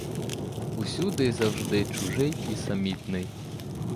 Усюди й завжди чужий і самітний.